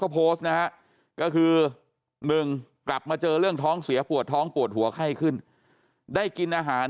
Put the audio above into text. เขาโพสต์นะฮะก็คือ๑กลับมาเจอเรื่องท้องเสียปวดท้องปวดหัวไข้ขึ้นได้กินอาหาร